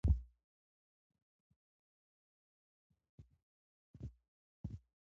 مسافر ته سوه پیدا په زړه کي تمه